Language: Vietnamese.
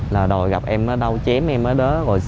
là đòi gặp em ở đâu chém em ở đó